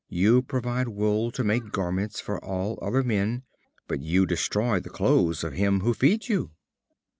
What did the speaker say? you provide wool to make garments for all other men, but you destroy the clothes of him who feeds you."